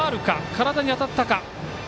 体に当たったか。